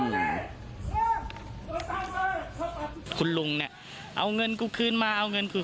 คุณลุงเนี่ยเอาเงินกูคืนมาเอาเงินคือ